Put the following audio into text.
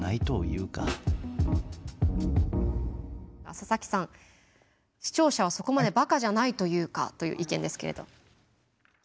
佐々木さん「視聴者はそこまでバカじゃないというか」という意見ですけれど。